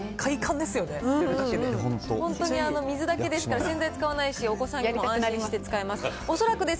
本当に水だけですから、洗剤使わないし、お子さんにも安心して使えます。